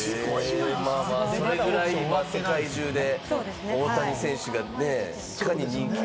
まぁ、それぐらい世界中で大谷選手がね、いかに人気か。